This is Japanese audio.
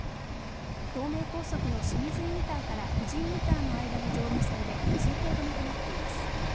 東名高速の清水インターから富士インターの間の上下線で通行止めとなっています。